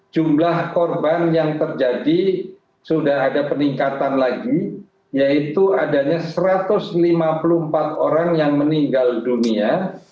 jumlah korban yang terjadi sudah ada peningkatan lagi yaitu adanya satu ratus lima puluh empat orang yang meninggal dunia